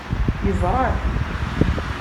Yeẓra-t.